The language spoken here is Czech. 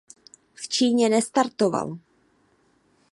V Číně nestartoval.